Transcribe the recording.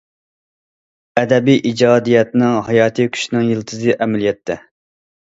ئەدەبىي ئىجادىيەتنىڭ ھاياتىي كۈچىنىڭ يىلتىزى ئەمەلىيەتتە.